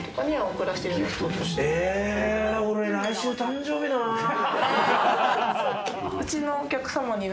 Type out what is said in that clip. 俺、来週誕生日だなぁ。